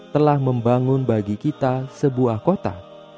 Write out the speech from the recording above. telah membangun bagi kita sebuah kota